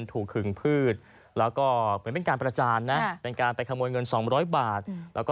ขึงพืชแล้วก็เหมือนเป็นการประจานนะเป็นการไปขโมยเงิน๒๐๐บาทแล้วก็